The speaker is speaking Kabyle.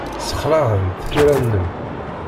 Ssexlaɛent tira-nnem.